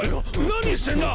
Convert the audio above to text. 何してんだ。